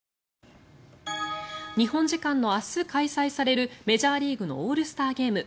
日本時間の明日開催されるメジャーリーグのオールスターゲーム。